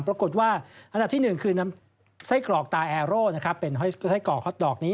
ปรากฎว่าอันดับที่๑คือไส้กรอกตาแอโร่เป็นไห้สายกอกฮอตดอกนี้